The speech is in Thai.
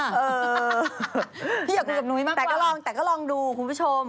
เออพี่อยากคุยกับนุ้ยมากกว่าแต่ก็ลองดูคุณผู้ชม